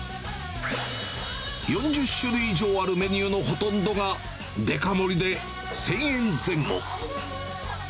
４０種類以上あるメニューのほとんどが、デカ盛りで１０００円前後。